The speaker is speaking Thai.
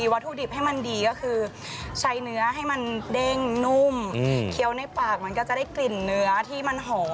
วัตถุดิบให้มันดีก็คือใช้เนื้อให้มันเด้งนุ่ม